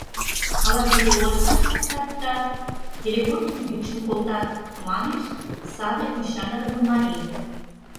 Ала тиде олаштак шоктат да, телефон дене йӱкшым колтат, — манеш саде ӱшаныдыме марий.